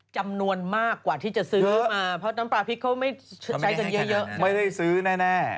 จำนวนมากกว่าที่จะซื้อมาเพราะว่าน้ำปลาพริกเขาไม่ใช้กันเยอะ